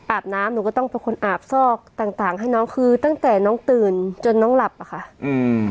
อาบน้ำหนูก็ต้องเป็นคนอาบซอกต่างต่างให้น้องคือตั้งแต่น้องตื่นจนน้องหลับอ่ะค่ะอืม